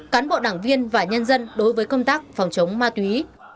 cán bộ đảng viên và nhân dân đối với công tác phòng chống ma túy